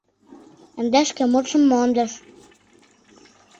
Ынде шке мутшым мондыш.